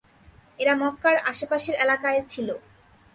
এরা মক্কার আশে-পাশের এলাকার ছিল।